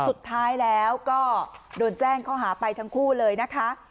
สุดท้ายแล้วก็โดนแจ้งข้อหาไปทั้งคู่เลยนะคะ